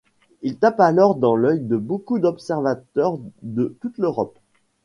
Il tape alors dans l'œil de beaucoup d'observateurs de toute l'Europe.